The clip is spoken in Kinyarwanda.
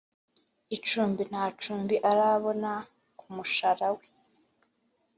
icumbi Nta cumbi arabona kumushara we